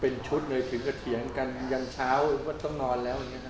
เป็นชุดเหนือถึงกระเทียงกันยังเช้าต้องนอนแล้ว